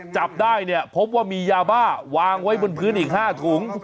จับได้เนี่ยพบว่ามียาบ้าวางไว้บนพื้นอีก๕ถุง